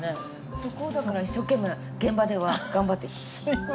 そこをだから一生懸命現場では頑張って。